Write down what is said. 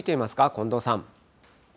近藤さん。